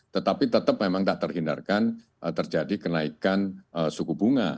tetapi tetap memang tak terhindarkan terjadi kenaikan suku bunga